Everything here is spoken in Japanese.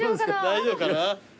大丈夫かな？